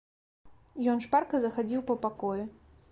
Ён шпарка захадзіў па пакоі.